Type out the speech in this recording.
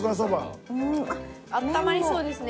あったまりそうですね